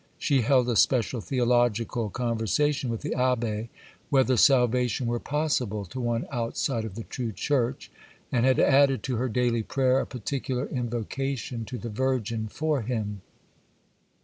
She held a special theological conversation with the Abbé, whether salvation were possible to one outside of the True Church,—and had added to her daily prayer a particular invocation to the Virgin for him.